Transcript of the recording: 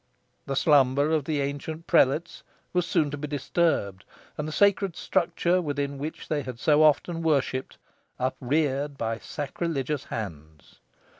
The slumber of the ancient prelates was soon to be disturbed, and the sacred structure within which they had so often worshipped, up reared by sacrilegious hands.